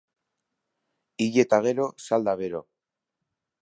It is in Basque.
Hil eta gero, salda bero.